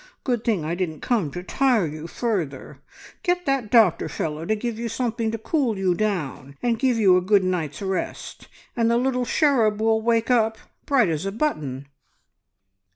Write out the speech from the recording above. Good thing I didn't come to tire you further. Get that doctor fellow to give you something to cool you down, and give you a good night's rest, and the little cherub will wake up bright as a button."